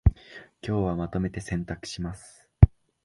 今日はまとめて洗濯します